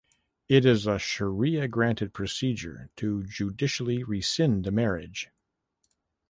It is a Sharia-granted procedure to judicially rescind a marriage.